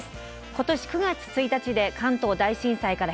今年９月１日で関東大震災から１００年。